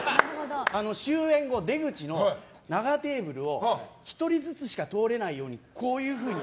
終演後、出口の長テーブルを１人ずつしか通れないようにこういうふうに。